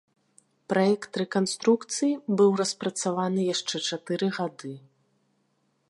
Праект рэканструкцыі быў распрацаваны яшчэ чатыры гады.